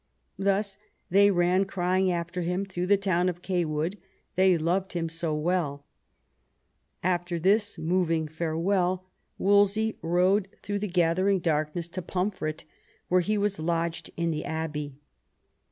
Thus they ran crying after him through the town of Cawood, they loved him so well. After this moving farewell Wolsey rode through the 202 THOMAS WOLSEY chap. gathering darkness to Pomfret, where he was lodged in the abbey.